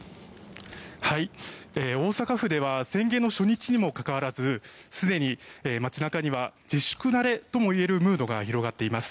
大阪府では宣言の初日にもかかわらずすでに街中には自粛慣れとも思われるムードが広がっています。